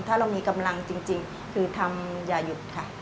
ถ้าเรามีกำลังจริงคือทำอย่าหยุดค่ะ